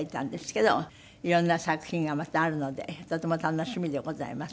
いろんな作品がまたあるのでとても楽しみでございます。